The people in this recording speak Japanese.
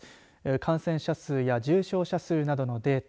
感染者数や重症者数などのデータ